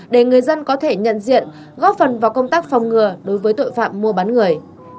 để người dân có thể nhận diện góp phần vào công tác phòng ngừa đối với tội phạm mua bán người